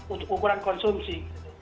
untuk ukuran konsumsi